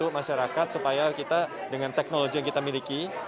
masyarakat supaya kita dengan teknologi yang kita miliki